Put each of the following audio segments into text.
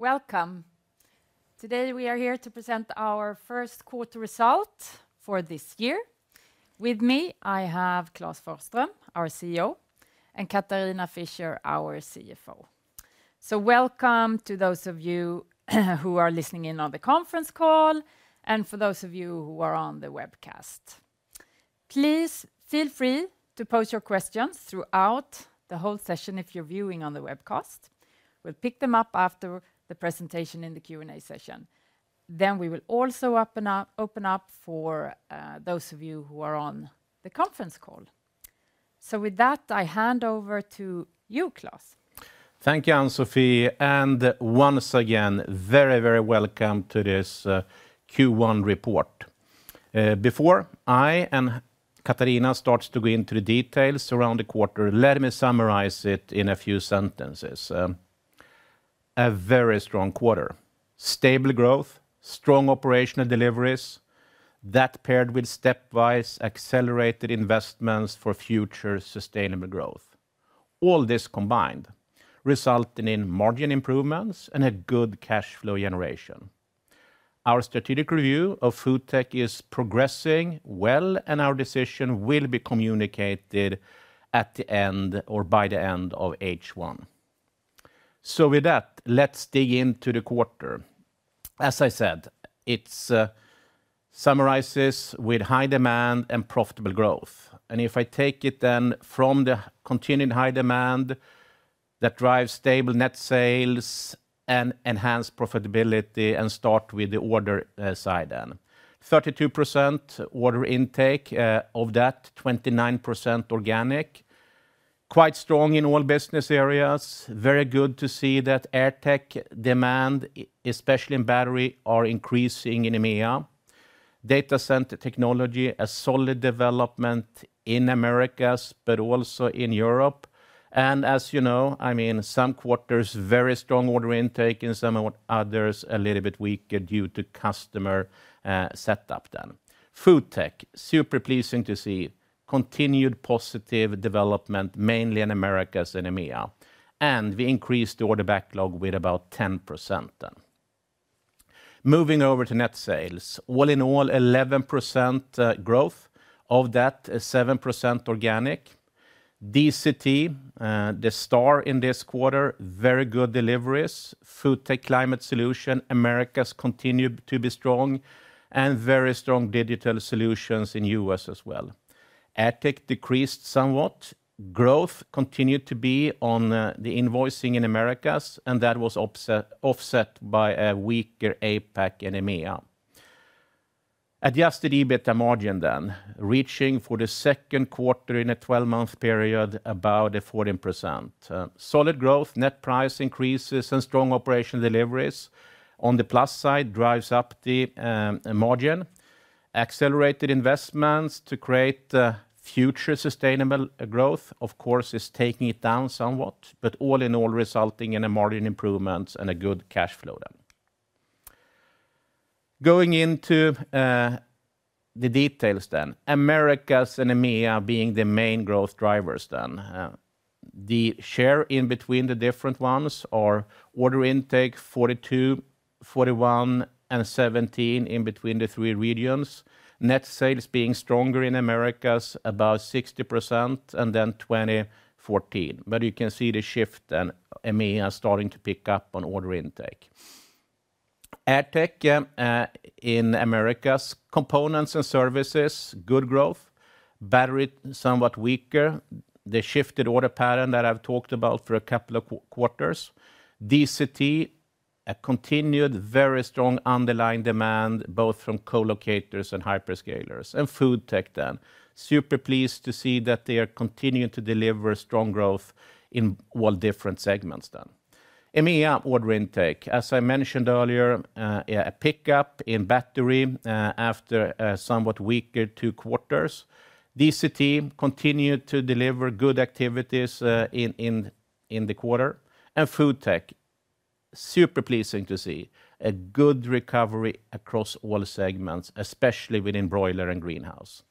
Welcome. Today we are here to present our first quarter result for this year. With me, I have Klas Forsström, our CEO, and Katharina Fischer, our CFO. So welcome to those of you who are listening in on the conference call and for those of you who are on the webcast. Please feel free to pose your questions throughout the whole session if you're viewing on the webcast. We'll pick them up after the presentation in the Q&A session. Then we will also open up for those of you who are on the conference call. So with that, I hand over to you, Klas. Thank you, Ann-Sofi. And once again, very, very welcome to this Q1 report. Before I and Katharina start to go into the details around the quarter, let me summarize it in a few sentences. A very strong quarter. Stable growth, strong operational deliveries, that paired with stepwise accelerated investments for future sustainable growth. All this combined resulting in margin improvements and a good cash flow generation. Our strategic review of food tech is progressing well and our decision will be communicated at the end or by the end of H1. So with that, let's dig into the quarter. As I said, it summarizes with high demand and profitable growth. And if I take it then from the continued high demand that drives stable net sales and enhanced profitability and start with the order side then. 32% order intake of that, 29% organic. Quite strong in all business areas. Very good to see that AirTech demand, especially in battery, is increasing in EMEA. Data Center Technologies, a solid development in Americas but also in Europe. And as you know, I mean, some quarters very strong order intake and some others a little bit weaker due to customer setup then. FoodTech, super pleasing to see. Continued positive development mainly in Americas and EMEA. And we increased the order backlog with about 10% then. Moving over to net sales. All in all, 11% growth of that, 7% organic. DCT, the star in this quarter. Very good deliveries. FoodTech Climate Solutions, Americas continue to be strong and very strong digital solutions in US as well. AirTech decreased somewhat. Growth continued to be on the invoicing in Americas and that was offset by a weaker APAC and EMEA. Adjusted EBITDA margin then, reaching for the second quarter in a 12-month period about 14%. Solid growth, net price increases and strong operational deliveries. On the plus side, drives up the margin. Accelerated investments to create future sustainable growth, of course, is taking it down somewhat, but all in all resulting in a margin improvement and a good cash flow then. Going into the details then. Americas and EMEA being the main growth drivers then. The share in between the different ones are order intake 42%, 41%, and 17% in between the three regions. Net sales being stronger in Americas, about 60% and then 20%, 14%. But you can see the shift and EMEA starting to pick up on order intake. AirTech in Americas, components and services, good growth. Battery somewhat weaker. The shifted order pattern that I've talked about for a couple of quarters. DCT, a continued very strong underlying demand both from colocators and hyperscalers. FoodTech then. Super pleased to see that they are continuing to deliver strong growth in all different segments then. EMEA order intake, as I mentioned earlier, a pickup in battery after somewhat weaker two quarters. DCT continued to deliver good activities in the quarter. FoodTech, super pleasing to see, a good recovery across all segments, especially within broiler and greenhouse.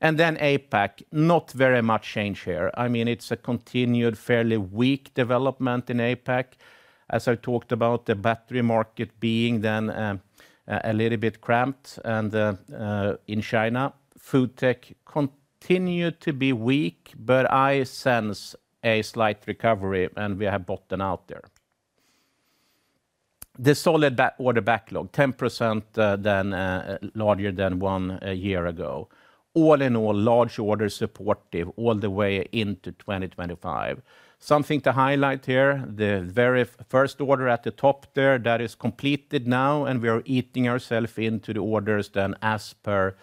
Then APAC, not very much change here. I mean, it's a continued fairly weak development in APAC. As I talked about, the battery market being then a little bit cramped in China. FoodTech continued to be weak, but I sense a slight recovery and we have bottomed out there. The solid order backlog, 10% larger than one year ago. All in all, large order supportive all the way into 2025. Something to highlight here, the very first order at the top there, that is completed now and we are eating ourselves into the orders then as per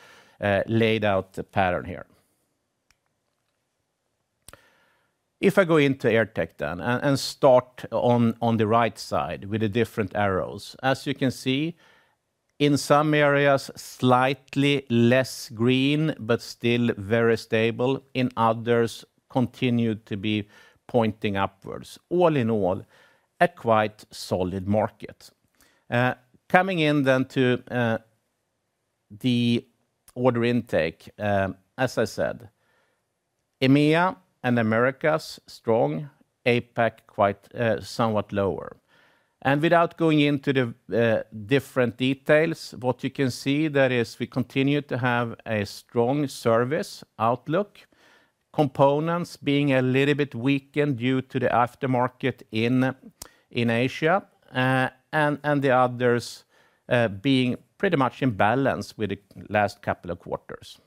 laid out pattern here. If I go into AirTech then and start on the right side with the different arrows. As you can see, in some areas, slightly less green but still very stable. In others, continued to be pointing upwards. All in all, a quite solid market. Coming in then to the order intake, as I said, EMEA and Americas strong, APAC quite somewhat lower. And without going into the different details, what you can see there is we continue to have a strong service outlook. Components being a little bit weakened due to the aftermarket in Asia and the others being pretty much in balance with the last couple of quarters.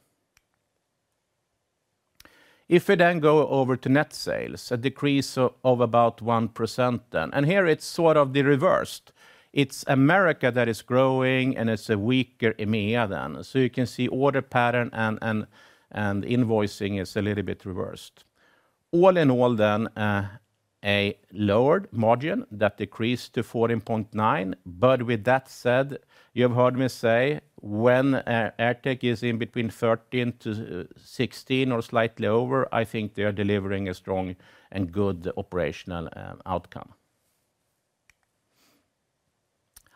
If we then go over to net sales, a decrease of about 1% then. Here it's sort of the reverse. It's Americas that is growing and it's a weaker EMEA than. So you can see order pattern and invoicing is a little bit reversed. All in all then, a lowered margin that decreased to 14.9%. But with that said, you have heard me say when AirTech is in between 13%-16% or slightly over, I think they are delivering a strong and good operational outcome.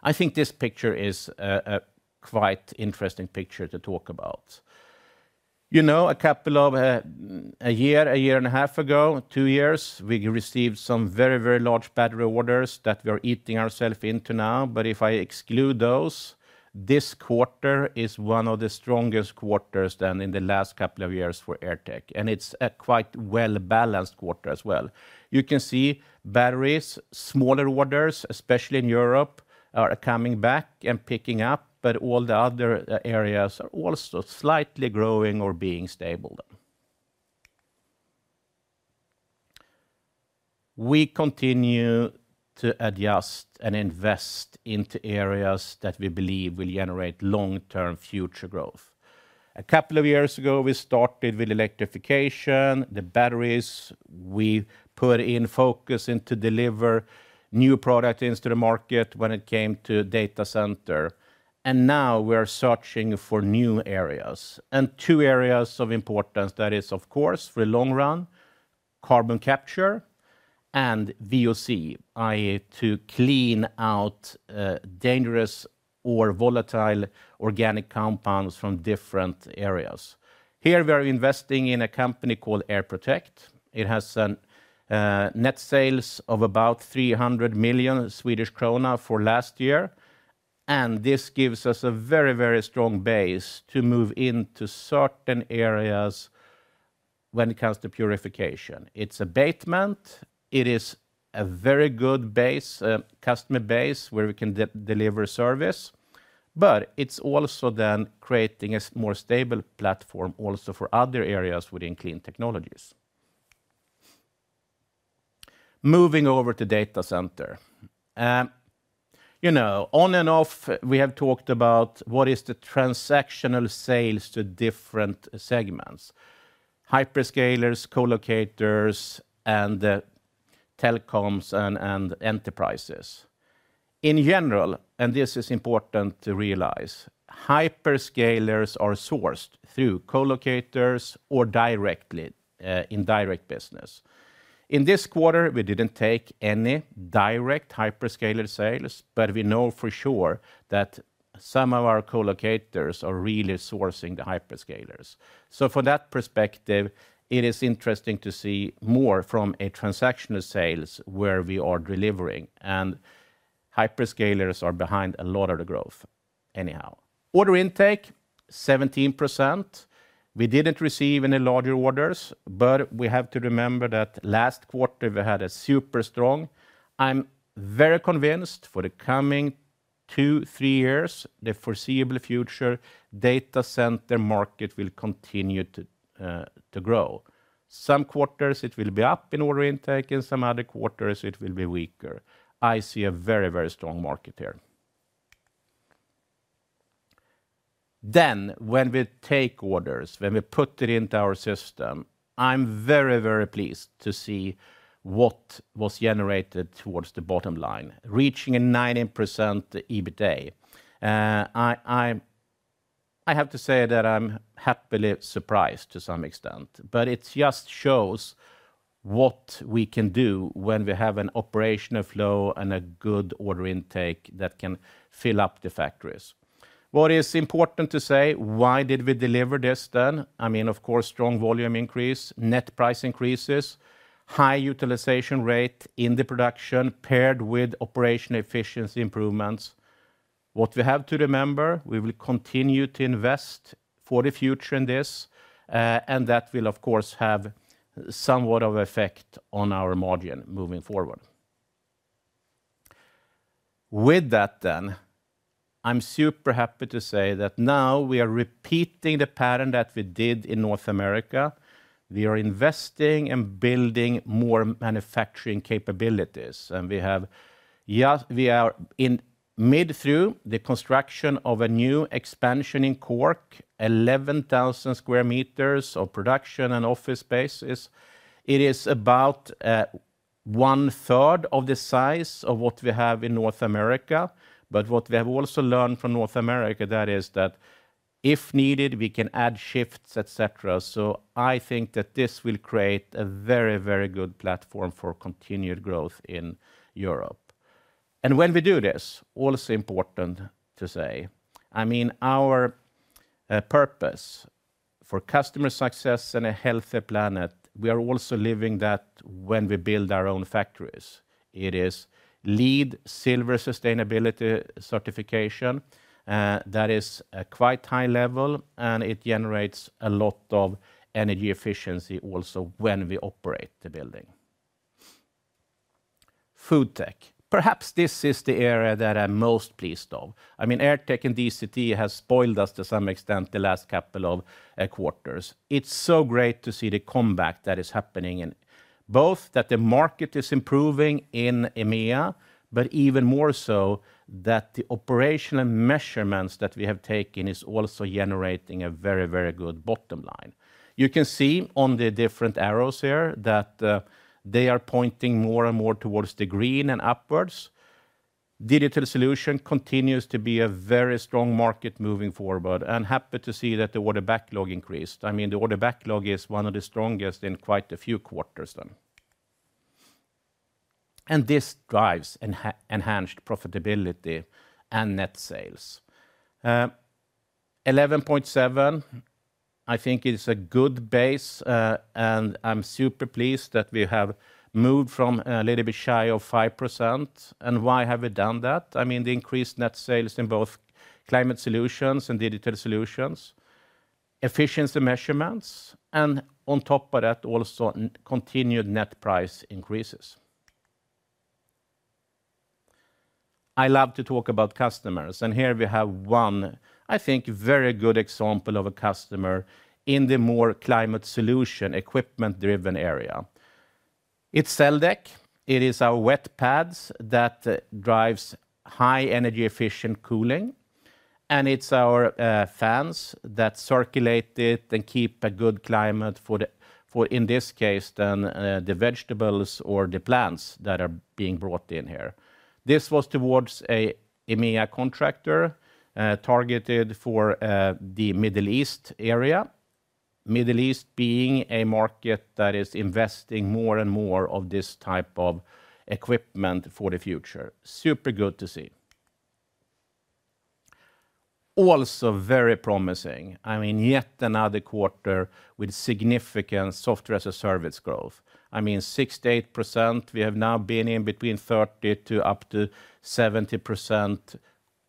I think this picture is a quite interesting picture to talk about. You know, a couple of a year, a year and a half ago, two years, we received some very, very large battery orders that we are eating ourselves into now. But if I exclude those, this quarter is one of the strongest quarters than in the last couple of years for AirTech. It's a quite well-balanced quarter as well. You can see batteries, smaller orders, especially in Europe, are coming back and picking up, but all the other areas are also slightly growing or being stable then. We continue to adjust and invest into areas that we believe will generate long-term future growth. A couple of years ago, we started with electrification, the batteries. We put in focus into delivering new products into the market when it came to data center. And now we are searching for new areas. And two areas of importance, that is, of course, for the long run, carbon capture and VOC, i.e., to clean out dangerous or volatile organic compounds from different areas. Here we are investing in a company called Airprotech. It has net sales of about 300 million Swedish krona for last year. This gives us a very, very strong base to move into certain areas when it comes to purification. It's abatement. It is a very good base, customer base, where we can deliver service. It's also then creating a more stable platform also for other areas within clean technologies. Moving over to data center. You know, on and off, we have talked about what is the transactional sales to different segments: hyperscalers, colocators, and telecoms and enterprises. In general, and this is important to realize, hyperscalers are sourced through colocators or directly in direct business. In this quarter, we didn't take any direct hyperscaler sales, but we know for sure that some of our colocators are really sourcing the hyperscalers. So from that perspective, it is interesting to see more from a transactional sales where we are delivering. And hyperscalers are behind a lot of the growth anyhow. Order intake, 17%. We didn't receive any larger orders, but we have to remember that last quarter we had a super strong. I'm very convinced for the coming two, three years, the foreseeable future, data center market will continue to grow. Some quarters it will be up in order intake, in some other quarters it will be weaker. I see a very, very strong market here. Then when we take orders, when we put it into our system, I'm very, very pleased to see what was generated towards the bottom line, reaching a 90% EBITDA. I have to say that I'm happily surprised to some extent, but it just shows what we can do when we have an operational flow and a good order intake that can fill up the factories. What is important to say? Why did we deliver this then? I mean, of course, strong volume increase, net price increases, high utilization rate in the production paired with operational efficiency improvements. What we have to remember, we will continue to invest for the future in this, and that will, of course, have somewhat of an effect on our margin moving forward. With that then, I'm super happy to say that now we are repeating the pattern that we did in North America. We are investing and building more manufacturing capabilities. And yes, we are in the midst of the construction of a new expansion in Cork, 11,000 sq m of production and office spaces. It is about one third of the size of what we have in North America. But what we have also learned from North America is that if needed, we can add shifts, etc. So I think that this will create a very, very good platform for continued growth in Europe. And when we do this, also important to say, I mean, our purpose for customer success and a healthy planet, we are also living that when we build our own factories. It is LEED Silver sustainability certification. That is quite high level and it generates a lot of energy efficiency also when we operate the building. FoodTech. Perhaps this is the area that I'm most pleased of. I mean, AirTech and DCT has spoiled us to some extent the last couple of quarters. It's so great to see the comeback that is happening in both that the market is improving in EMEA, but even more so that the operational measurements that we have taken is also generating a very, very good bottom line. You can see on the different arrows here that they are pointing more and more towards the green and upwards. Digital Solutions continues to be a very strong market moving forward and happy to see that the order backlog increased. I mean, the order backlog is one of the strongest in quite a few quarters then. And this drives enhanced profitability and net sales. 11.7%. I think it's a good base and I'm super pleased that we have moved from a little bit shy of 5%. And why have we done that? I mean, the increased net sales in both Climate Solutions and Digital Solutions, efficiency measurements, and on top of that also continued net price increases. I love to talk about customers. Here we have one, I think, very good example of a customer in the more Climate Solutions equipment-driven area. It's CELdek. It is our wet pads that drive high energy-efficient cooling. And it's our fans that circulate it and keep a good climate for, in this case, then the vegetables or the plants that are being brought in here. This was towards an EMEA contractor targeted for the Middle East area. Middle East being a market that is investing more and more of this type of equipment for the future. Super good to see. Also very promising. I mean, yet another quarter with significant software as a service growth. I mean, 68%. We have now been in between 30%-70%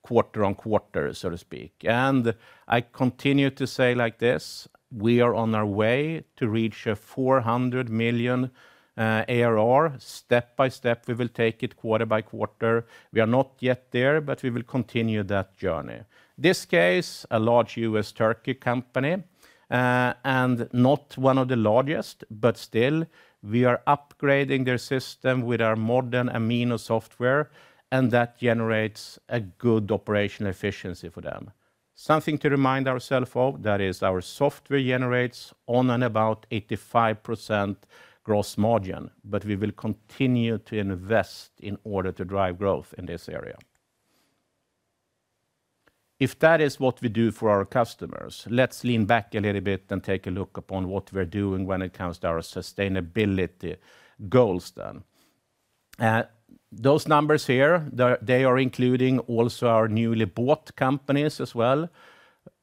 quarter-over-quarter, so to speak. I continue to say like this, we are on our way to reach a 400 million ARR. Step by step, we will take it quarter by quarter. We are not yet there, but we will continue that journey. This case, a large US turkey company, and not one of the largest, but still, we are upgrading their system with our modern Amino software, and that generates a good operational efficiency for them. Something to remind ourselves of, that is, our software generates on and about 85% gross margin, but we will continue to invest in order to drive growth in this area. If that is what we do for our customers, let's lean back a little bit and take a look upon what we're doing when it comes to our sustainability goals then. Those numbers here, they are including also our newly bought companies as well.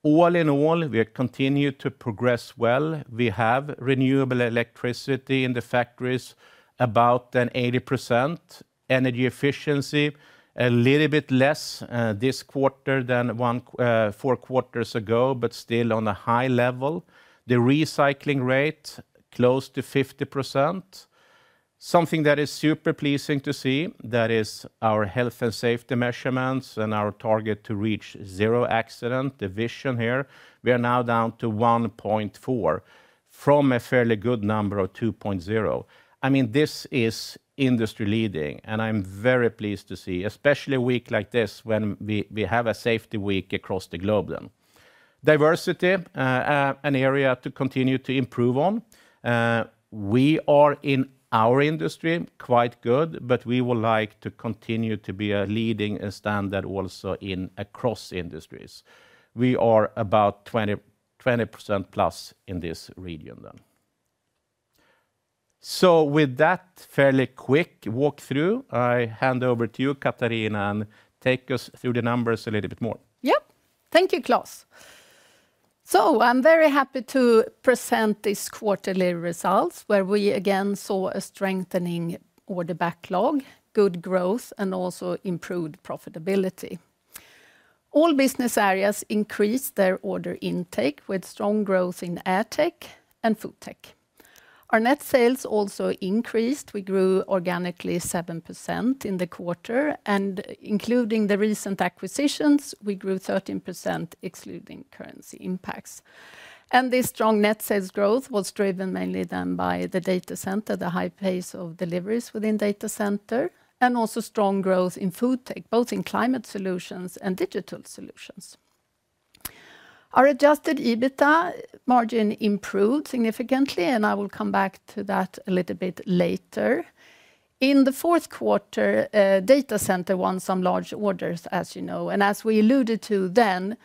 All in all, we continue to progress well. We have renewable electricity in the factories, about 80%. Energy efficiency, a little bit less this quarter than four quarters ago, but still on a high level. The recycling rate, close to 50%. Something that is super pleasing to see, that is our health and safety measurements and our target to reach zero accident, the vision here. We are now down to 1.4 from a fairly good number of 2.0. I mean, this is industry leading, and I'm very pleased to see, especially a week like this when we have a safety week across the globe then. Diversity, an area to continue to improve on. We are in our industry quite good, but we would like to continue to be leading and standard also across industries. We are about 20%+ in this region then. So with that fairly quick walkthrough, I hand over to you, Katharina, and take us through the numbers a little bit more. Yep. Thank you, Klas. So I'm very happy to present this quarterly results where we again saw a strengthening order backlog, good growth, and also improved profitability. All business areas increased their order intake with strong growth in AirTech and FoodTech. Our net sales also increased. We grew organically 7% in the quarter. And including the recent acquisitions, we grew 13% excluding currency impacts. And this strong net sales growth was driven mainly then by the data center, the high pace of deliveries within data center, and also strong growth in FoodTech, both in Climate Solutions and Digital Solutions. Our adjusted EBITDA margin improved significantly, and I will come back to that a little bit later. In the fourth quarter, Data Center won some large orders, as you know. As we alluded to then,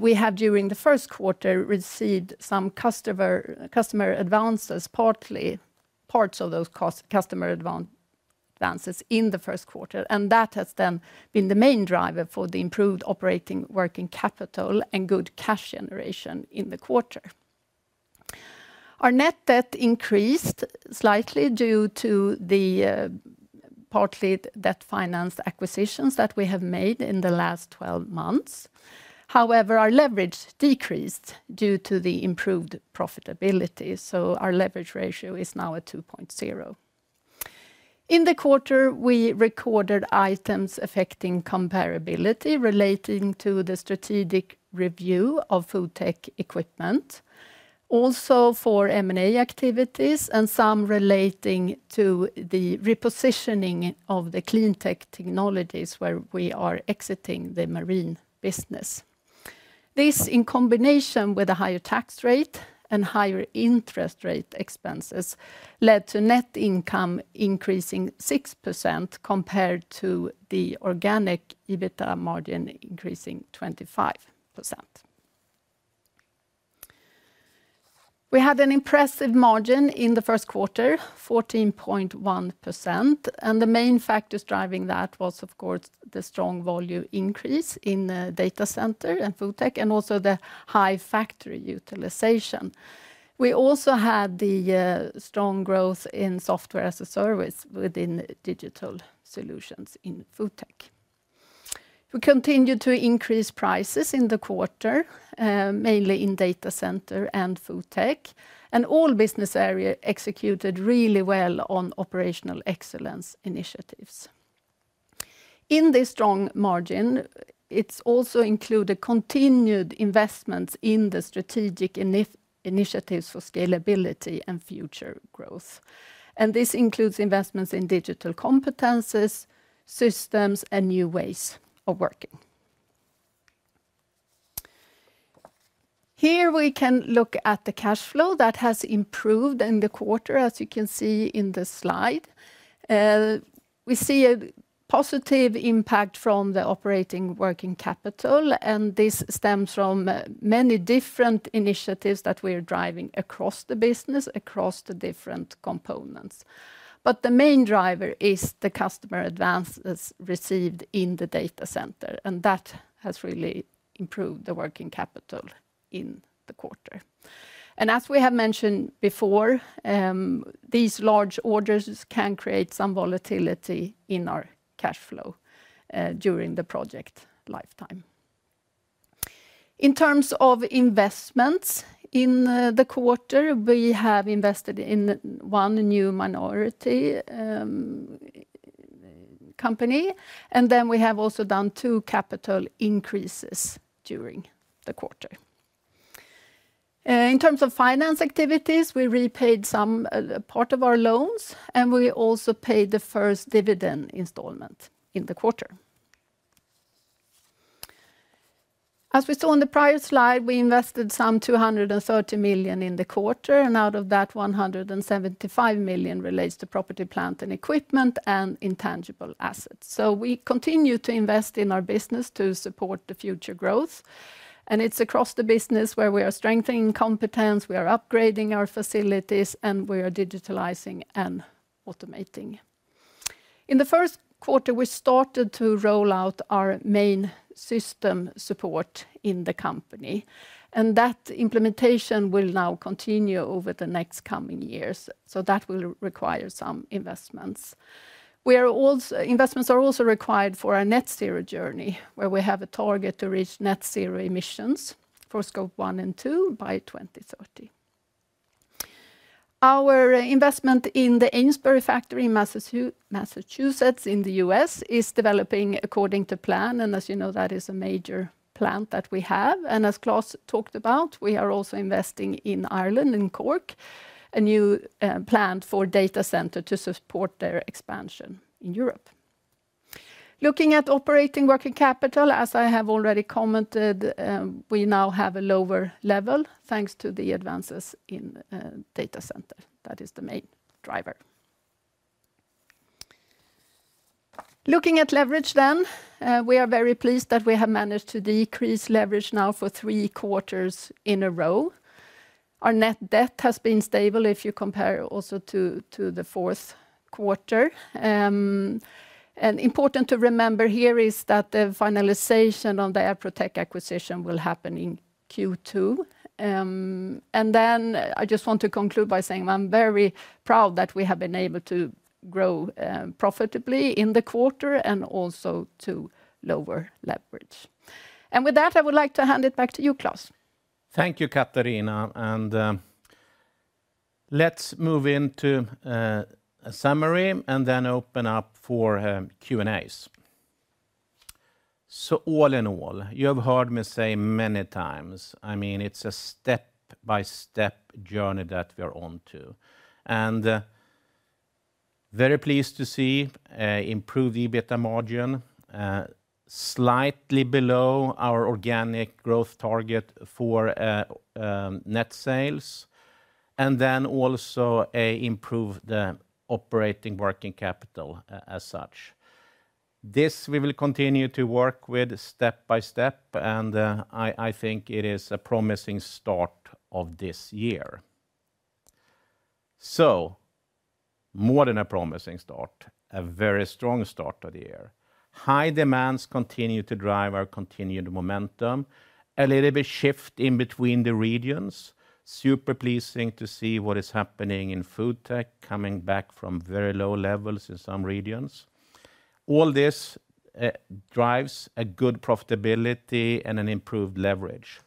we have during the first quarter received some customer advances, partly parts of those customer advances in the first quarter. That has then been the main driver for the improved operating working capital and good cash generation in the quarter. Our net debt increased slightly due to the partly debt-financed acquisitions that we have made in the last 12 months. However, our leverage decreased due to the improved profitability. Our leverage ratio is now at 2.0. In the quarter, we recorded items affecting comparability relating to the strategic review of FoodTech equipment, also for M&A activities, and some relating to the repositioning of the CleanTech technologies where we are exiting the marine business. This, in combination with a higher tax rate and higher interest rate expenses, led to net income increasing 6% compared to the organic EBITDA margin increasing 25%. We had an impressive margin in the first quarter, 14.1%. The main factors driving that was, of course, the strong volume increase in data center and food tech and also the high factory utilization. We also had the strong growth in software as a service within digital solutions in food tech. We continued to increase prices in the quarter, mainly in data center and food tech. All business areas executed really well on operational excellence initiatives. In this strong margin, it's also included continued investments in the strategic initiatives for scalability and future growth. This includes investments in digital competences, systems, and new ways of working. Here we can look at the cash flow that has improved in the quarter, as you can see in the slide. We see a positive impact from the operating working capital. This stems from many different initiatives that we are driving across the business, across the different components. But the main driver is the customer advances received in the data center. And that has really improved the working capital in the quarter. And as we have mentioned before, these large orders can create some volatility in our cash flow during the project lifetime. In terms of investments in the quarter, we have invested in one new minority company. And then we have also done two capital increases during the quarter. In terms of finance activities, we repaid some part of our loans. And we also paid the first dividend installment in the quarter. As we saw in the prior slide, we invested some 230 million in the quarter. Out of that, 175 million relates to property, plant, and equipment, and intangible assets. So we continue to invest in our business to support the future growth. And it's across the business where we are strengthening competence, we are upgrading our facilities, and we are digitalizing and automating. In the first quarter, we started to roll out our main system support in the company. And that implementation will now continue over the next coming years. So that will require some investments. We are also investments are also required for our net zero journey where we have a target to reach net zero emissions for Scope 1 and 2 by 2030. Our investment in the Amesbury factory in Massachusetts in the U.S. is developing according to plan. And as you know, that is a major plant that we have. As Klas talked about, we are also investing in Ireland, in Cork, a new plant for data center to support their expansion in Europe. Looking at operating working capital, as I have already commented, we now have a lower level thanks to the advances in data center. That is the main driver. Looking at leverage then, we are very pleased that we have managed to decrease leverage now for three quarters in a row. Our net debt has been stable if you compare also to the fourth quarter. Important to remember here is that the finalization of the Airprotech acquisition will happen in Q2. Then I just want to conclude by saying I'm very proud that we have been able to grow profitably in the quarter and also to lower leverage. With that, I would like to hand it back to you, Klas. Thank you, Katharina. Let's move into a summary and then open up for Q&As. All in all, you have heard me say many times, I mean, it's a step-by-step journey that we are on to. Very pleased to see improved EBITDA margin, slightly below our organic growth target for net sales. Then also improved the operating working capital as such. This we will continue to work with step by step. I think it is a promising start of this year. More than a promising start, a very strong start of the year. High demands continue to drive our continued momentum. A little bit shift in between the regions. Super pleasing to see what is happening in food tech coming back from very low levels in some regions. All this drives a good profitability and an improved leverage.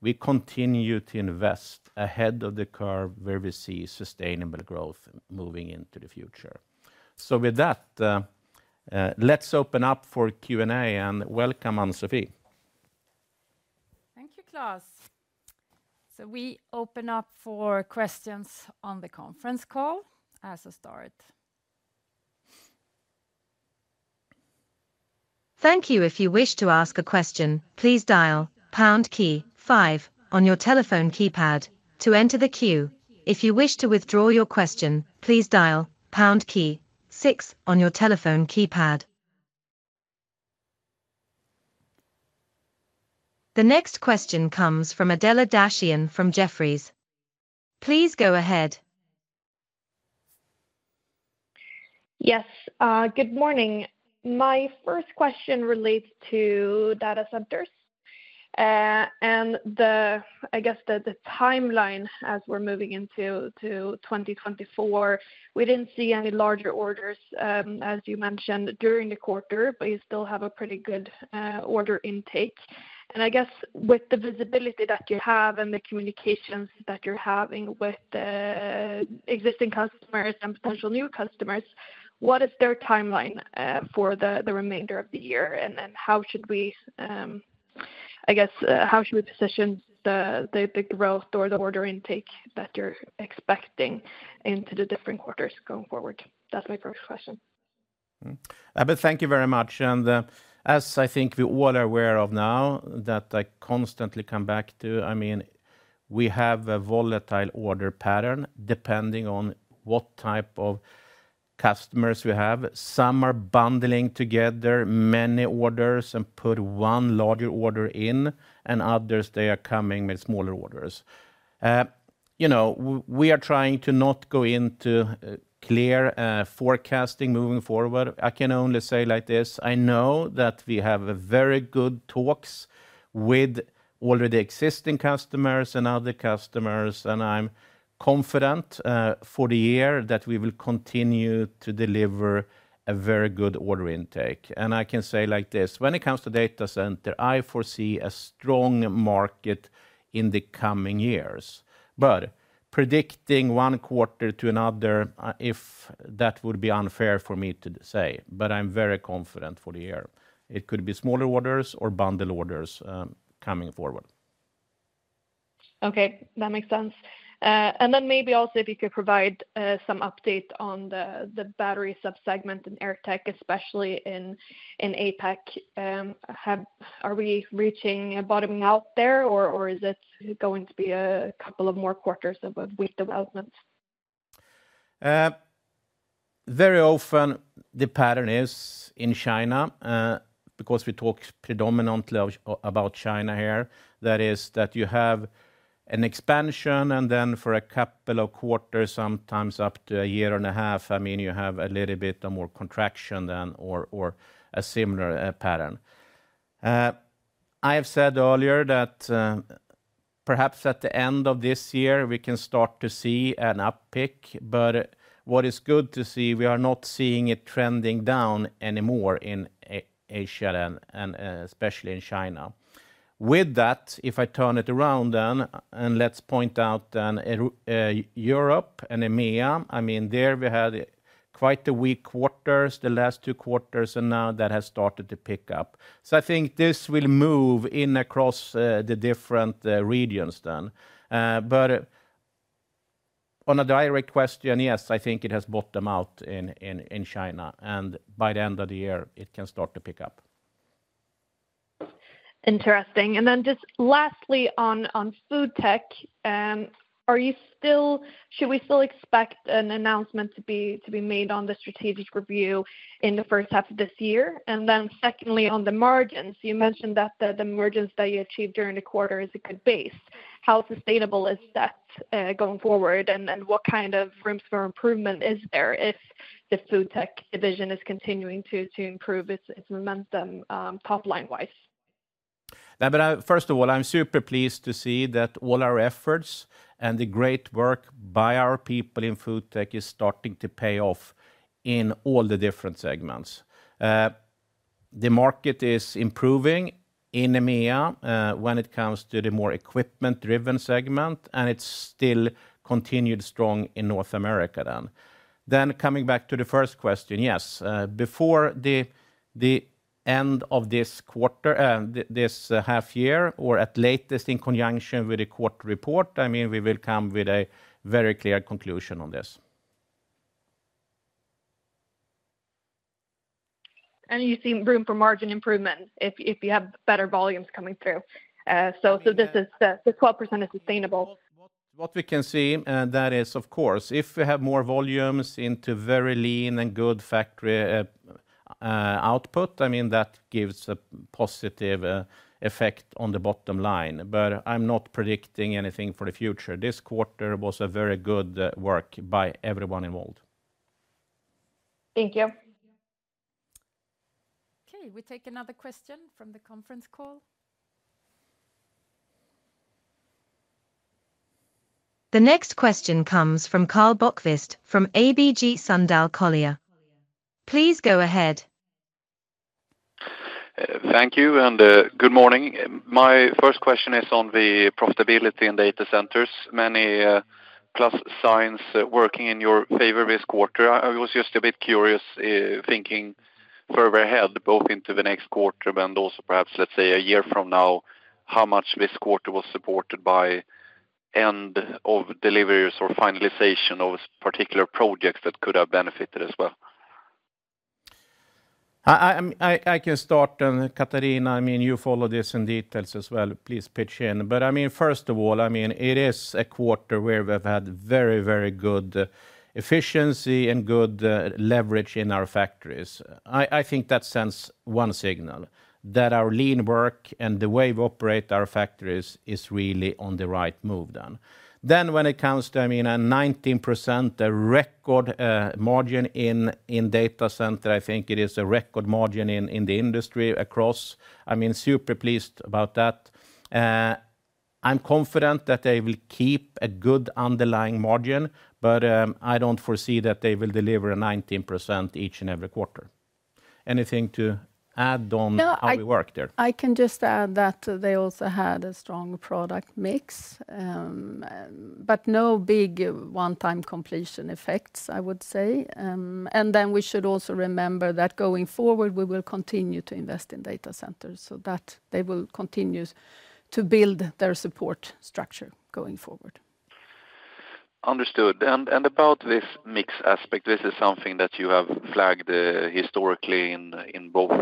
We continue to invest ahead of the curve where we see sustainable growth moving into the future. With that, let's open up for Q&A. Welcome, Ann-Sofi. Thank you, Klas. We open up for questions on the conference call as a start. Thank you. If you wish to ask a question, please dial pound key five on your telephone keypad to enter the queue. If you wish to withdraw your question, please dial pound key six on your telephone keypad. The next question comes from Adela Dashian from Jefferies. Please go ahead. Yes. Good morning. My first question relates to data centers. I guess the timeline as we're moving into 2024, we didn't see any larger orders, as you mentioned, during the quarter, but you still have a pretty good order intake. I guess with the visibility that you have and the communications that you're having with existing customers and potential new customers, what is their timeline for the remainder of the year? And how should we, I guess, how should we position the growth or the order intake that you're expecting into the different quarters going forward? That's my first question. Adela, thank you very much. And as I think we all are aware of now, that I constantly come back to, I mean, we have a volatile order pattern depending on what type of customers we have. Some are bundling together many orders and put one larger order in. And others, they are coming with smaller orders. You know, we are trying to not go into clear forecasting moving forward. I can only say like this, I know that we have very good talks with already existing customers and other customers. And I'm confident for the year that we will continue to deliver a very good order intake. And I can say like this, when it comes to data center, I foresee a strong market in the coming years. But predicting one quarter to another, if that would be unfair for me to say. But I'm very confident for the year. It could be smaller orders or bundle orders coming forward. Okay. That makes sense. And then maybe also if you could provide some update on the battery subsegment in air tech, especially in APAC. Are we reaching bottoming out there or is it going to be a couple of more quarters of a weak development? Very often, the pattern is in China. Because we talk predominantly about China here, that is that you have an expansion. And then for a couple of quarters, sometimes up to a year and a half, I mean, you have a little bit of more contraction then or a similar pattern. I have said earlier that perhaps at the end of this year, we can start to see an uptick. But what is good to see, we are not seeing it trending down anymore in Asia, especially in China. With that, if I turn it around then, and let's point out then to Europe and EMEA, I mean, there we had quite the weak quarters, the last two quarters. And now that has started to pick up. So I think this will move in across the different regions then. But on a direct question, yes, I think it has bottomed out in China. By the end of the year, it can start to pick up. Interesting. Then just lastly on FoodTech, are you still should we still expect an announcement to be made on the strategic review in the first half of this year? And then secondly, on the margins, you mentioned that the margins that you achieved during the quarter is a good base. How sustainable is that going forward? And what kind of room for improvement is there if the FoodTech division is continuing to improve its momentum topline-wise? Adela, first of all, I'm super pleased to see that all our efforts and the great work by our people in FoodTech is starting to pay off in all the different segments. The market is improving in EMEA when it comes to the more equipment-driven segment. And it's still continued strong in North America then. Then coming back to the first question, yes. Before the end of this quarter, this half year, or at latest in conjunction with the quarter report, I mean, we will come with a very clear conclusion on this. And you see room for margin improvement if you have better volumes coming through. So this is the 12% is sustainable. What we can see that is, of course, if we have more volumes into very lean and good factory output, I mean, that gives a positive effect on the bottom line. But I'm not predicting anything for the future. This quarter was a very good work by everyone involved. Thank you. Okay. We take another question from the conference call. The next question comes from Karl Bokvist from ABG Sundal Collier. Please go ahead. Thank you. And good morning. My first question is on the profitability in data centers. Many plus signs working in your favor this quarter. I was just a bit curious, thinking further ahead, both into the next quarter but also perhaps, let's say, a year from now, how much this quarter was supported by end of deliveries or finalization of particular projects that could have benefited as well. I can start. And Katharina, I mean, you follow this in details as well. Please pitch in. But I mean, first of all, I mean, it is a quarter where we've had very, very good efficiency and good leverage in our factories. I think that sends one signal, that our lean work and the way we operate our factories is really on the right move then. Then when it comes to, I mean, a 19% record margin in data center, I think it is a record margin in the industry across. I mean, super pleased about that. I'm confident that they will keep a good underlying margin. But I don't foresee that they will deliver a 19% each and every quarter. Anything to add on how we work there? I can just add that they also had a strong product mix. But no big one-time completion effects, I would say. And then we should also remember that going forward, we will continue to invest in data centers. So that they will continue to build their support structure going forward. Understood. And about this mix aspect, this is something that you have flagged historically in both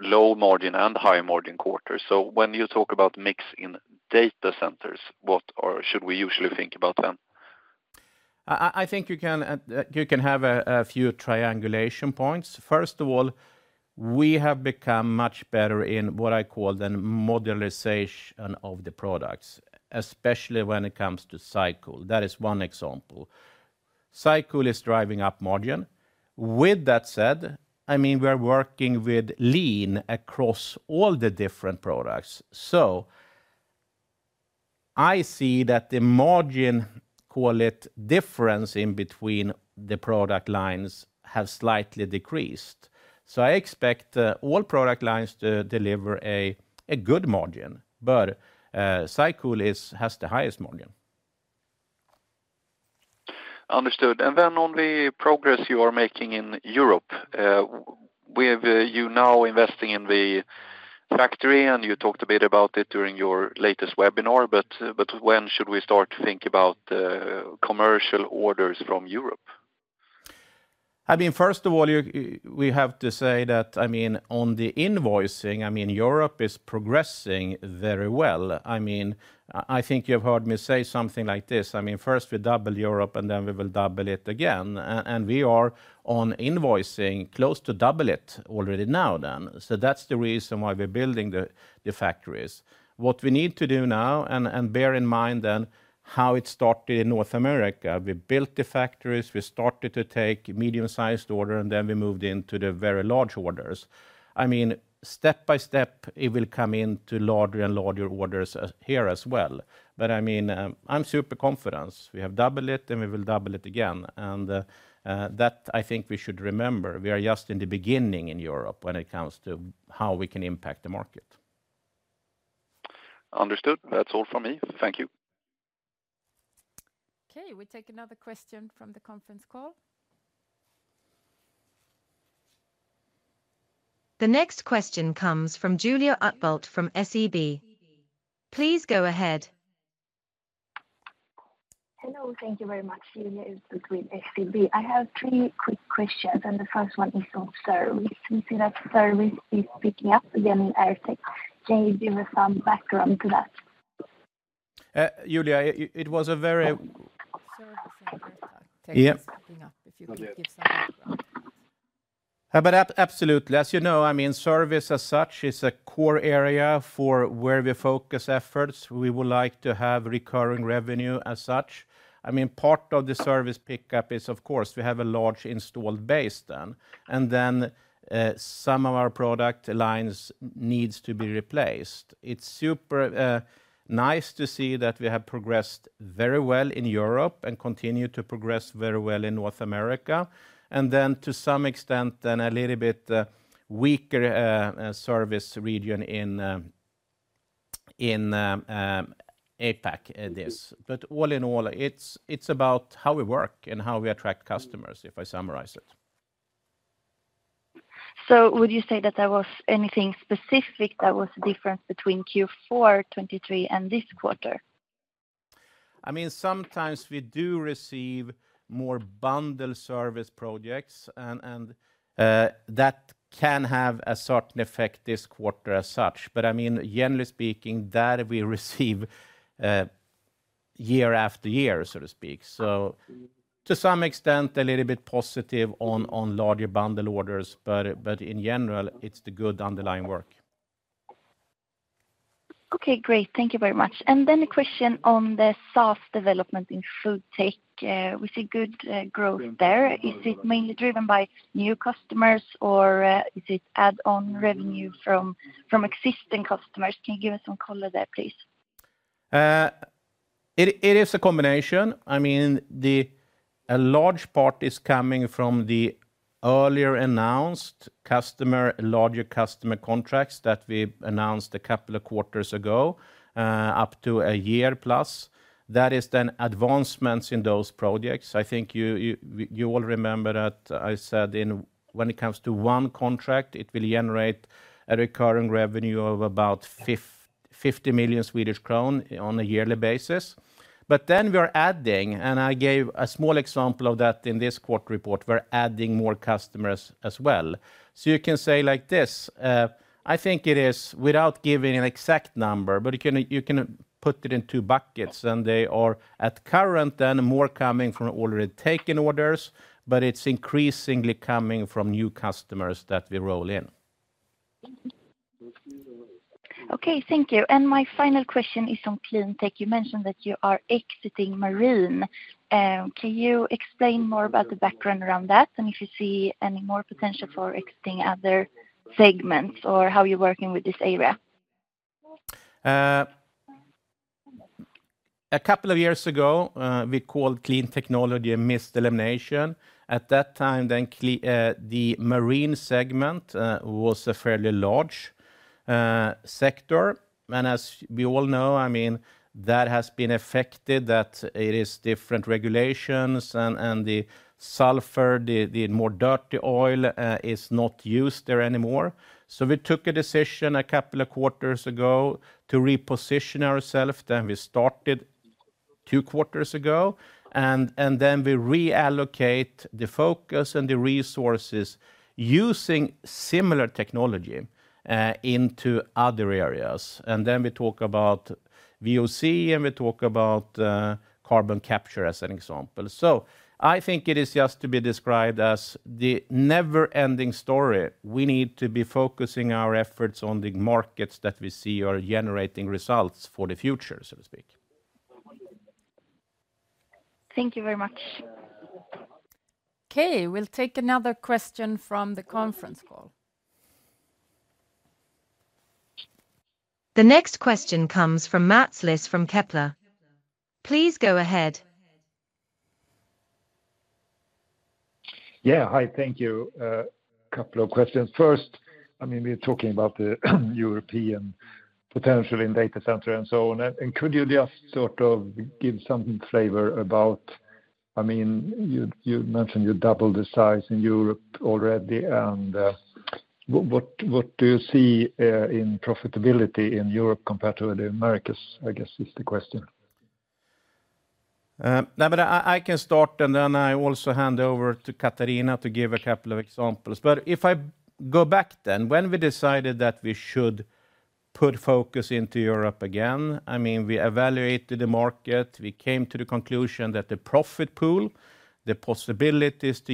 low margin and high margin quarters. So when you talk about mix in data centers, what should we usually think about then? I think you can have a few triangulation points. First of all, we have become much better in what I call the modularization of the products, especially when it comes to SyCool. That is one example. SyCool is driving up margin. With that said, I mean, we are working with lean across all the different products. So I see that the margin, call it difference in between the product lines, has slightly decreased. So I expect all product lines to deliver a good margin. But SyCool has the highest margin. Understood. And then on the progress you are making in Europe, with you now investing in the factory, and you talked a bit about it during your latest webinar, but when should we start to think about commercial orders from Europe? I mean, first of all, we have to say that, I mean, on the invoicing, I mean, Europe is progressing very well.I mean, I think you have heard me say something like this. I mean, first we double Europe and then we will double it again. And we are on invoicing close to double it already now then. So that's the reason why we're building the factories. What we need to do now, and bear in mind then how it started in North America, we built the factories, we started to take medium-sized order, and then we moved into the very large orders. I mean, step by step, it will come into larger and larger orders here as well. But I mean, I'm super confident. We have doubled it and we will double it again. And that I think we should remember. We are just in the beginning in Europe when it comes to how we can impact the market. Understood. That's all from me. Thank you. Okay. We take another question from the conference call. The next question comes from Julia Utbult from SEB. Please go ahead. Hello. Thank you very much. Julia is with SEB. I have three quick questions. The first one is on service. We see that service is picking up again in AirTech. Can you give us some background to that? Julia, it was a very service in AirTech. Tech is picking up. If you could give some background. Abba, absolutely. As you know, I mean, service as such is a core area for where we focus efforts. We would like to have recurring revenue as such. I mean, part of the service pickup is, of course, we have a large installed base then. And then some of our product lines need to be replaced. It's super nice to see that we have progressed very well in Europe and continue to progress very well in North America. And then, to some extent, a little bit weaker service region in APAC this. But all in all, it's about how we work and how we attract customers, if I summarize it. So would you say that there was anything specific that was different between Q4 2023 and this quarter? I mean, sometimes we do receive more bundle service projects. And that can have a certain effect this quarter as such. But I mean, generally speaking, there we receive year after year, so to speak. So to some extent, a little bit positive on larger bundle orders. But in general, it's the good underlying work. Okay. Great. Thank you very much. And then a question on the SaaS development in food tech. We see good growth there. Is it mainly driven by new customers or is it add-on revenue from existing customers? Can you give us some color there, please? It is a combination. I mean, a large part is coming from the earlier announced larger customer contracts that we announced a couple of quarters ago, up to a year plus. That is then advancements in those projects. I think you all remember that I said when it comes to one contract, it will generate a recurring revenue of about 50 million Swedish kronor on a yearly basis. But then we are adding, and I gave a small example of that in this quarter report, we're adding more customers as well. So you can say like this, I think it is without giving an exact number, but you can put it in two buckets. And they are at current then, more coming from already taken orders. But it's increasingly coming from new customers that we roll in. Okay. Thank you. And my final question is on clean tech. You mentioned that you are exiting marine. Can you explain more about the background around that and if you see any more potential for exiting other segments or how you're working with this area? A couple of years ago, we called clean technology a misnomer. At that time then, the marine segment was a fairly large sector. And as we all know, I mean, that has been affected, that it is different regulations. And the sulfur, the more dirty oil, is not used there anymore. So we took a decision a couple of quarters ago to reposition ourselves. Then we started two quarters ago. And then we reallocate the focus and the resources using similar technology into other areas. And then we talk about VOC and we talk about carbon capture as an example. So I think it is just to be described as the never-ending story. We need to be focusing our efforts on the markets that we see are generating results for the future, so to speak. Thank you very much. Okay. We'll take another question from the conference call. The next question comes from Mats Liss from Kepler. Please go ahead. Yeah. Hi. Thank you. Couple of questions. First, I mean, we're talking about the European potential in data center and so on. And could you just sort of give some flavor about I mean, you mentioned you doubled the size in Europe already. And what do you see in profitability in Europe compared to the Americas, I guess is the question. Katharina, I can start then. Then I also hand over to Katharina to give a couple of examples. But if I go back then, when we decided that we should put focus into Europe again, I mean, we evaluated the market. We came to the conclusion that the profit pool, the possibilities to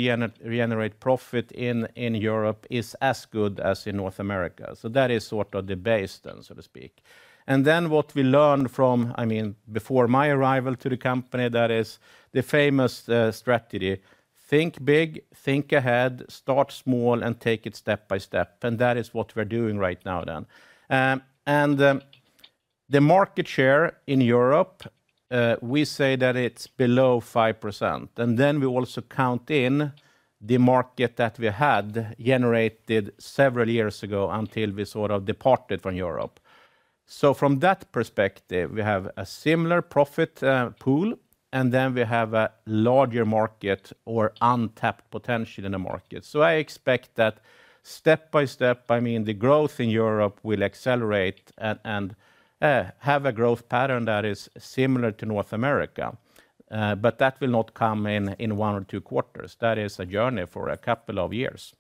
generate profit in Europe is as good as in North America. So that is sort of the base then, so to speak. And then what we learned from, I mean, before my arrival to the company, that is the famous strategy, think big, think ahead, start small, and take it step by step. And that is what we're doing right now then. And the market share in Europe, we say that it's below 5%. And then we also count in the market that we had generated several years ago until we sort of departed from Europe. So from that perspective, we have a similar profit pool. And then we have a larger market or untapped potential in the market. So I expect that step by step, I mean, the growth in Europe will accelerate and have a growth pattern that is similar to North America. But that will not come in 1 or 2 quarters. That is a journey for a couple of years.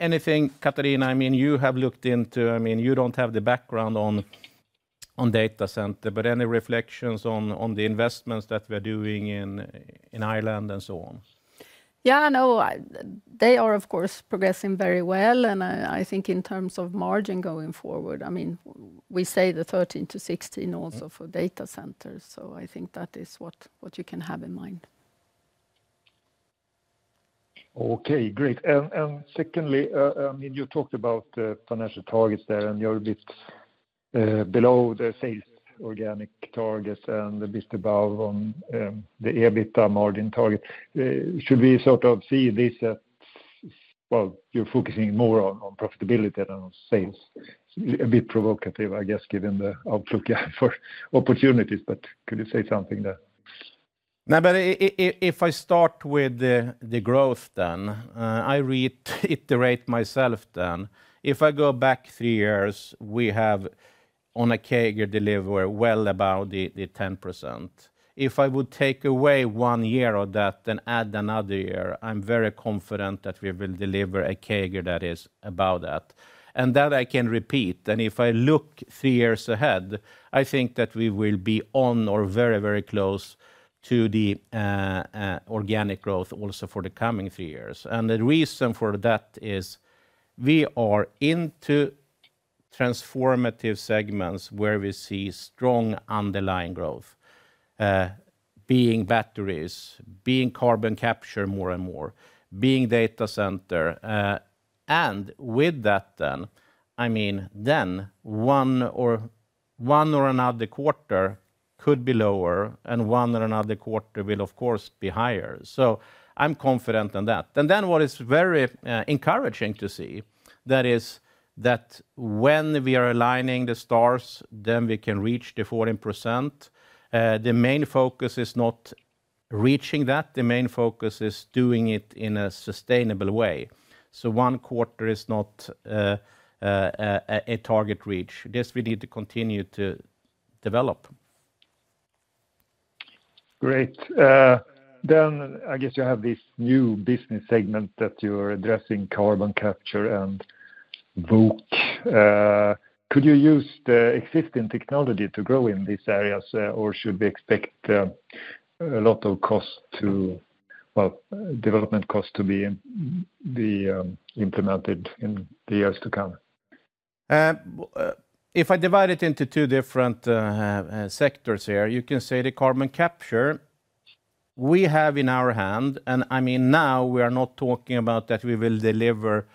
Anything, Katharina, I mean, you have looked into I mean, you don't have the background on data center, but any reflections on the investments that we're doing in Ireland and so on? Yeah. No. They are, of course, progressing very well. And I think in terms of margin going forward, I mean, we say the 13%-16% also for data centers. So I think that is what you can have in mind. Okay. Great. And secondly, I mean, you talked about financial targets there. And you're a bit below the sales organic targets and a bit above on the EBITDA margin target. Should we sort of see this as, well, you're focusing more on profitability than on sales? A bit provocative, I guess, given the outlook here for opportunities. But could you say something there? No, but if I start with the growth then, I reiterate myself then, if I go back three years, we have on a CAGR delivered well above the 10%. If I would take away one year of that and add another year, I'm very confident that we will deliver a CAGR that is about that. And that I can repeat. And if I look three years ahead, I think that we will be on or very, very close to the organic growth also for the coming three years. The reason for that is we are into transformative segments where we see strong underlying growth, being batteries, being carbon capture more and more, being data center. And with that then, I mean, then one or another quarter could be lower and one or another quarter will, of course, be higher. So I'm confident in that. And then what is very encouraging to see that is that when we are aligning the stars, then we can reach the 14%. The main focus is not reaching that. The main focus is doing it in a sustainable way. So one quarter is not a target reach. This we need to continue to develop. Great. Then I guess you have this new business segment that you're addressing, carbon capture and VOC. Could you use the existing technology to grow in these areas or should we expect a lot of cost to, well, development cost to be implemented in the years to come? If I divide it into two different sectors here, you can say the carbon capture, we have in our hand, and I mean, now we are not talking about that we will deliver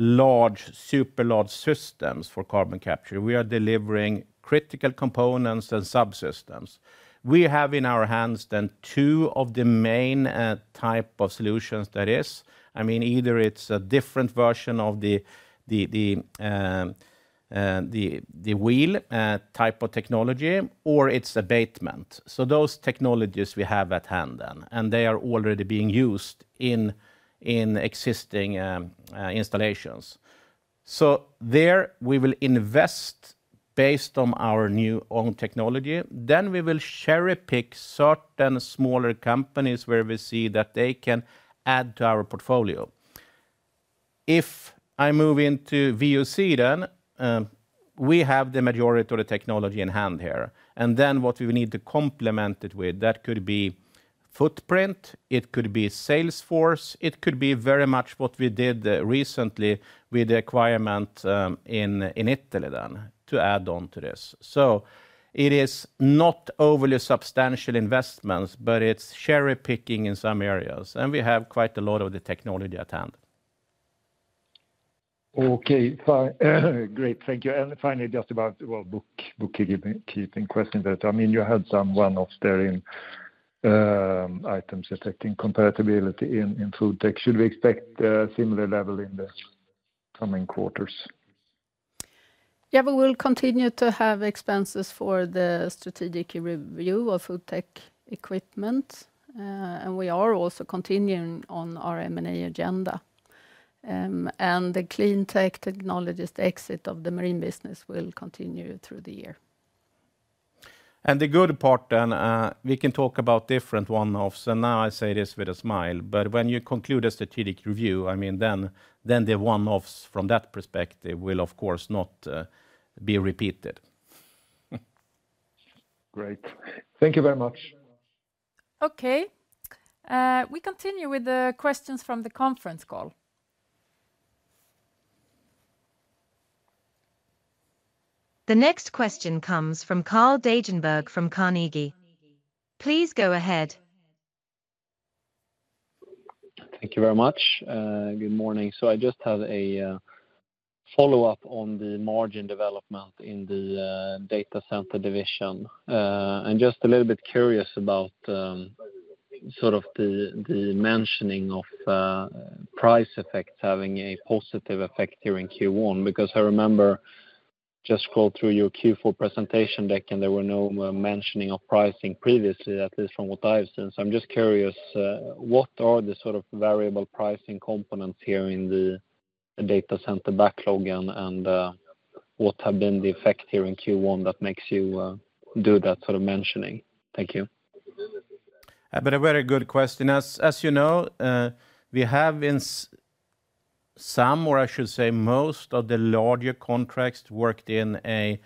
large, super large systems for carbon capture. We are delivering critical components and subsystems. We have in our hands then two of the main type of solutions that is. I mean, either it's a different version of the wheel type of technology or it's abatement. So those technologies we have at hand then. And they are already being used in existing installations. So there we will invest based on our new own technology. Then we will cherry-pick certain smaller companies where we see that they can add to our portfolio. If I move into VOC then, we have the majority of the technology in hand here. And then what we need to complement it with, that could be footprint, it could be sales force, it could be very much what we did recently with the acquisition in Italy then to add on to this. So it is not overly substantial investments, but it's cherry-picking in some areas. And we have quite a lot of the technology at hand. Okay. Great. Thank you. And finally, just about a bookkeeping question there. I mean, you had some one-off there in items affecting comparability in FoodTech. Should we expect a similar level in the coming quarters? Yeah. We will continue to have expenses for the strategic review of FoodTech equipment. We are also continuing on our M&A agenda. The clean tech technologist exit of the marine business will continue through the year. The good part then, we can talk about different one-offs. Now I say this with a smile. But when you conclude a strategic review, I mean, then the one-offs from that perspective will, of course, not be repeated. Great. Thank you very much. Okay. We continue with the questions from the conference call. The next question comes from Carl Deijenberg from Carnegie. Please go ahead. Thank you very much. Good morning. I just had a follow-up on the margin development in the data center division. Just a little bit curious about sort of the mentioning of price effects having a positive effect here in Q1 because I remember just scrolling through your Q4 presentation deck and there were no mentioning of pricing previously, at least from what I've seen. So I'm just curious, what are the sort of variable pricing components here in the data center backlog and what have been the effect here in Q1 that makes you do that sort of mentioning? Thank you. A very good question. As you know, we have in some, or I should say most, of the larger contracts worked in a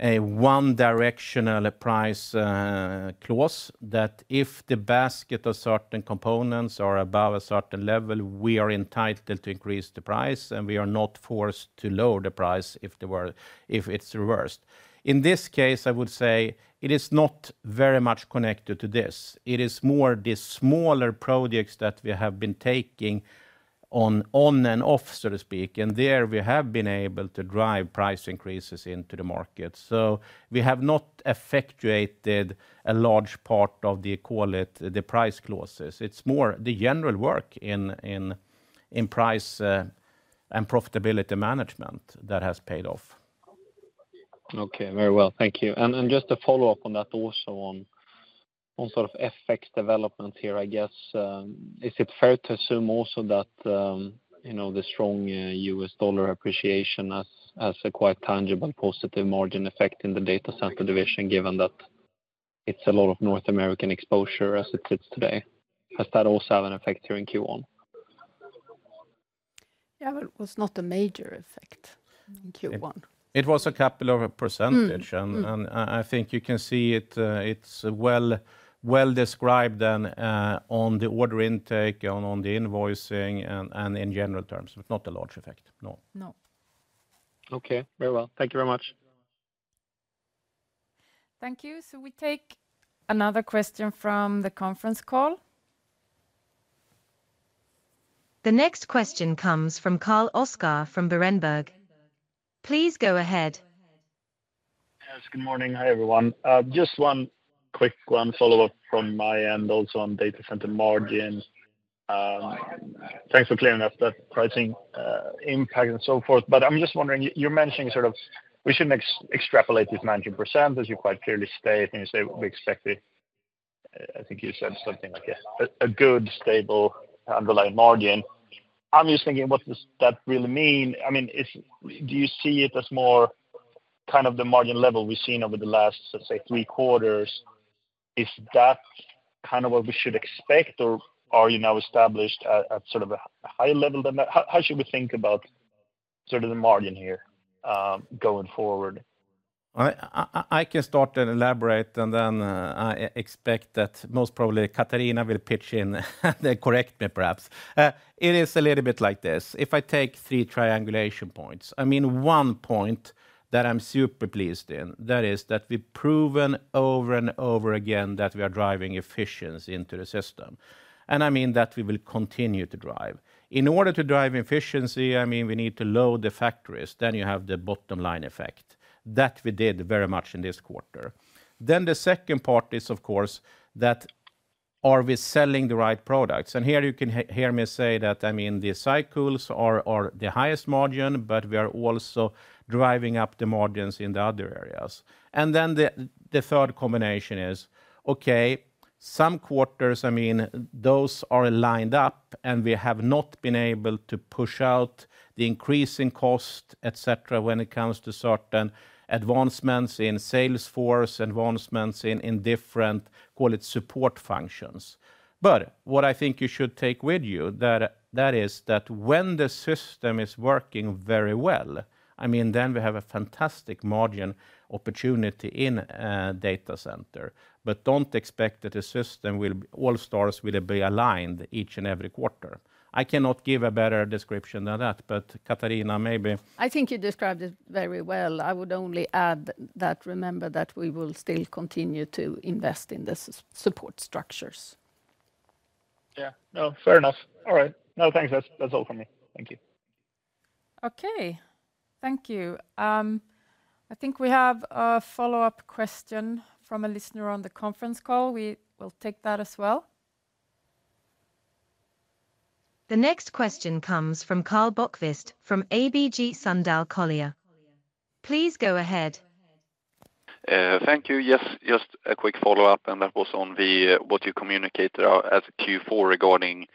one-directional price clause that if the basket of certain components are above a certain level, we are entitled to increase the price and we are not forced to lower the price if it's reversed. In this case, I would say it is not very much connected to this. It is more the smaller projects that we have been taking on and off, so to speak. And there we have been able to drive price increases into the market. So we have not effectuated a large part of the price clauses. It's more the general work in price and profitability management that has paid off. Okay. Very well. Thank you. And just a follow-up on that also on sort of FX developments here, I guess, is it fair to assume also that the strong U.S. dollar appreciation has a quite tangible positive margin effect in the data center division given that it's a lot of North American exposure as it sits today? Has that also had an effect here in Q1? Yeah. But it was not a major effect in Q1. It was a couple of percentage. And I think you can see it's well described then on the order intake, on the invoicing, and in general terms. It's not a large effect. No. No. Okay. Very well. Thank you very much. Thank you. So we take another question from the conference call. The next question comes from Karl Oskar from Berenberg. Please go ahead. Yes. Good morning. Hi, everyone. Just one quick one follow-up from my end also on data center margin. Thanks for clearing up that pricing impact and so forth. But I'm just wondering, you're mentioning sort of we shouldn't extrapolate this 19% as you quite clearly state and you say we expect it. I think you said something like a good, stable underlying margin. I'm just thinking, what does that really mean? I mean, do you see it as more kind of the margin level we've seen over the last, let's say, three quarters? Is that kind of what we should expect or are you now established at sort of a higher level than that? How should we think about sort of the margin here going forward? All right. I can start and elaborate and then I expect that most probably Katharina will pitch in and correct me perhaps. It is a little bit like this. If I take three triangulation points, I mean, one point that I'm super pleased in, that is that we've proven over and over again that we are driving efficiency into the system. And I mean that we will continue to drive. In order to drive efficiency, I mean, we need to lower the factories. Then you have the bottom line effect that we did very much in this quarter. The second part is, of course, are we selling the right products? And here you can hear me say that, I mean, the SyCool are the highest margin, but we are also driving up the margins in the other areas. The third combination is, okay, some quarters, I mean, those are lined up and we have not been able to push out the increasing cost, etc., when it comes to certain advancements in Salesforce, advancements in different, call it, support functions. But what I think you should take with you there is that when the system is working very well, I mean, then we have a fantastic margin opportunity in a data center. But don't expect that the stars will all be aligned each and every quarter. I cannot give a better description than that. But Katharina, maybe. I think you described it very well. I would only add that remember that we will still continue to invest in the support structures. Yeah. No. Fair enough. All right. No. Thanks. That's all from me. Thank you. Okay. Thank you. I think we have a follow-up question from a listener on the conference call. We will take that as well. The next question comes from Karl Bokvist from ABG Sundal Collier. Please go ahead. Thank you. Yes. Just a quick follow-up and that was on what you communicated as Q4 regarding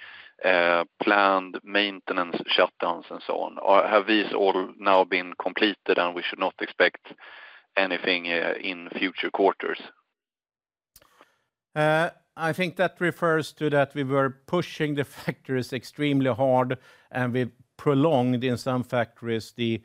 planned maintenance shutdowns and so on. Have these all now been completed and we should not expect anything in future quarters? I think that refers to that we were pushing the factories extremely hard and we prolonged in some factories the,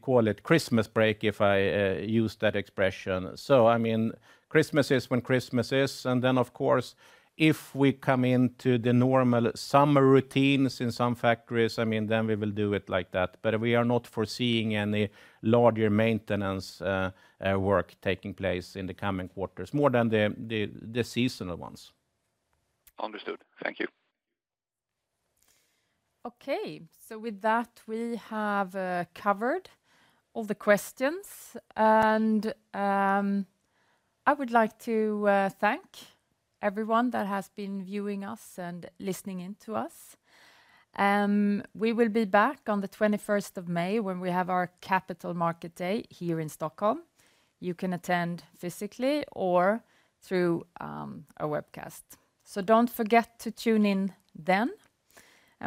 call it, Christmas break, if I use that expression. So, I mean, Christmas is when Christmas is. And then, of course, if we come into the normal summer routines in some factories, I mean, then we will do it like that. But we are not foreseeing any larger maintenance work taking place in the coming quarters more than the seasonal ones. Understood. Thank you. Okay. So with that, we have covered all the questions. And I would like to thank everyone that has been viewing us and listening into us. We will be back on the 21st of May when we have our Capital Market Day here in Stockholm. You can attend physically or through our webcast. So don't forget to tune in then.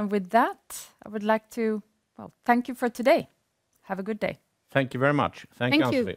With that, I would like to, well, thank you for today. Have a good day. Thank you very much. Thank you.